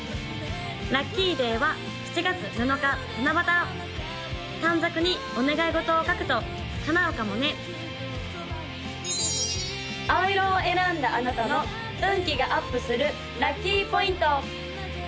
・ラッキーデイは７月７日七夕短冊にお願い事を書くと叶うかもね青色を選んだあなたの運気がアップするラッキーポイント！